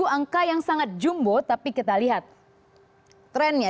satu angka yang sangat jumbo tapi kita lihat trennya